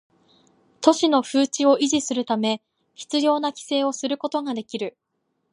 都市の風致を維持するため必要な規制をすることができる